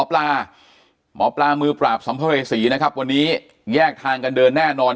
หมอปลาหมอปลามือปราบสัมภเวษีนะครับวันนี้แยกทางกันเดินแน่นอน